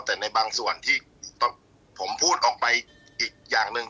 แต่ในบางส่วนที่ผมพูดออกไปอีกอย่างหนึ่ง